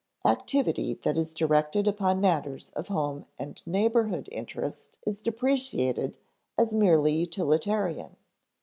Activity that is directed upon matters of home and neighborhood interest is depreciated as merely utilitarian.